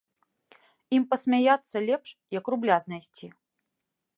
Ім пасмяяцца лепш, як рубля знайсці.